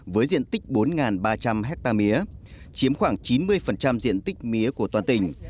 với diện tích bốn ba trăm linh hectare mía chiếm khoảng chín mươi diện tích mía của toàn tỉnh